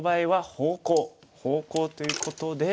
方向ということで。